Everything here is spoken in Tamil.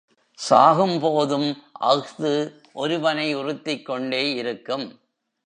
சாகும்போதும் அஃது ஒரு வனை உறுத்திக்கொண்டே இருக்கும்.